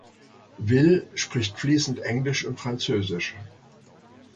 Will spricht fließend Englisch und Französisch.